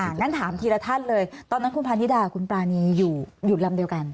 งั้นถามทีละท่านเลยตอนนั้นคุณพาณิดาคุณปรานีอยู่ลำเดียวกัน